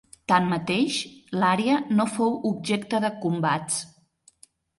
Tanmateix, l'àrea no fou objecte de combats.